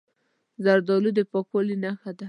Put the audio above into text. زردالو د پاکوالي نښه ده.